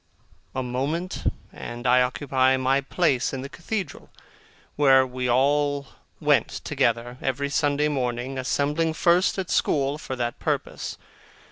A moment, and I occupy my place in the Cathedral, where we all went together, every Sunday morning, assembling first at school for that purpose.